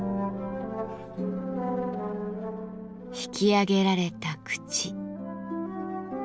ひき上げられた口。